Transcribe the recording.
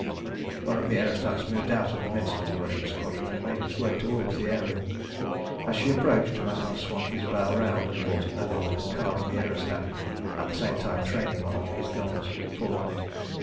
One of the aerostats moved out of the midst of the Russian squadron and made its way towards the Ariel. As she approached Mazanoff swung his bow round and brought it level with the car of the aerostat, at the same time training one of his guns full on it.